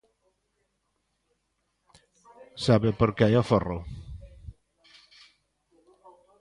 ¿Sabe por que hai aforro?